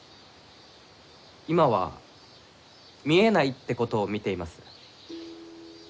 今は見えないってことを見ています。